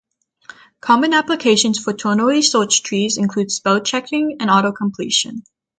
Common applications for ternary search trees include spell-checking and auto-completion.